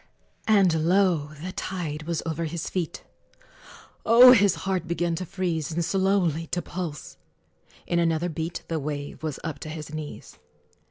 And lo! the tide was over his feet; Oh! his heart began to freeze, And slowly to pulse: in another beat The wave was up to his knees!